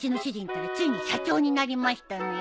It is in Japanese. ついに社長になりましたのよ。